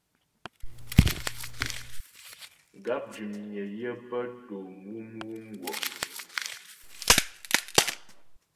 Gáp dʉmnyə yə pə́ tò mwǔmwù mgwɔ'.